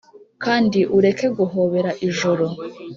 kandi ureke guhobera ijoro.